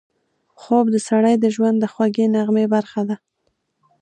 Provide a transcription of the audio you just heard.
خوب د سړي د ژوند د خوږې نغمې برخه ده